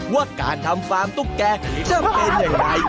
ว่าการทำฟาร์มตุ๊กแกจะเป็นยังไง